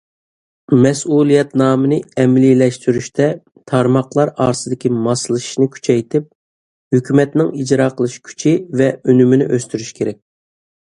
مەسئۇلىيەتنامىنى ئەمەلىيلەشتۈرۈشتە تارماقلار ئارىسىدىكى ماسلىشىشنى كۈچەيتىپ، ھۆكۈمەتنىڭ ئىجرا قىلىش كۈچى ۋە ئۈنۈمىنى ئۆستۈرۈش كېرەك.